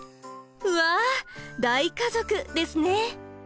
うわ大家族ですね。